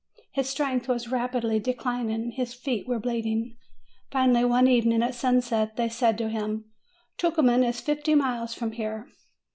His strength was rapidly declining, his feet were bleeding. Finally, one evening at sunset, they said to him : "Tucuman is fifty miles from here."